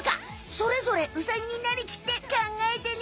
それぞれウサギになりきって考えてね！